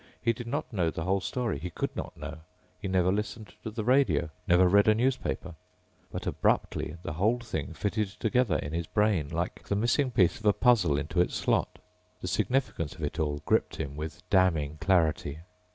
He did not know the whole story ... he could not know. He never listened to the radio, never read a newspaper. But abruptly the whole thing fitted together in his brain like the missing piece of a puzzle into its slot. The significance of it all gripped him with damning clarity.